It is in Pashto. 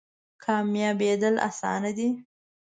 کامیابیدل اسانه دی؟